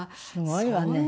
すごいわね。